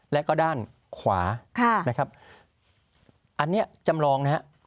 แล้วก็ด้านขวานะครับอันนี้จำลองนะฮะ